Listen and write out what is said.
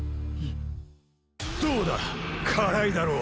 どうだからいだろう！